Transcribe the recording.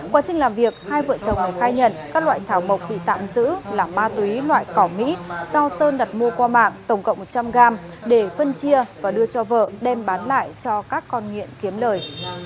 quá trình làm việc hai vợ chồng ngọc khai nhận các loại thảo mộc bị tạm giữ là ma túy loại cỏ mỹ do sơn đặt mua qua mạng tổng cộng một trăm linh gram để phân chia và đưa cho vợ đem bán lại cho các con nghiện kiếm lời